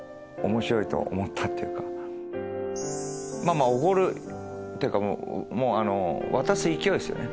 まぁおごるっていうか渡す勢いですよね